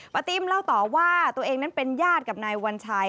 ติ้มเล่าต่อว่าตัวเองนั้นเป็นญาติกับนายวัญชัย